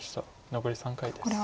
残り３回です。